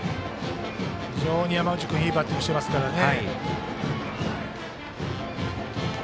非常に山口君いいバッティングしてますからね。